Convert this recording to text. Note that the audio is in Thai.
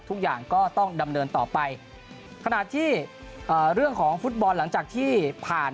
ทุกอย่างก็ต้องดำเนินต่อไปขณะที่เรื่องของฟุตบอลหลังจากที่ผ่าน